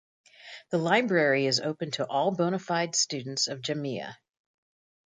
The library is open to all bona fide students of Jamia.